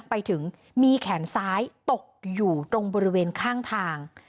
ไปถึงมีแขนซ้ายตกอยู่ตรงบริเวณข้างทาง